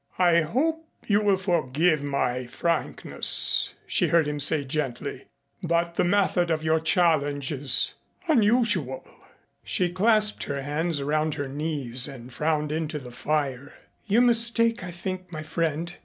"I hope you will forgive my frankness," she heard him say gently, "but the method of your challenge is unusual." She clasped her hands around her knees and frowned into the fire. "You mistake, I think, my friend.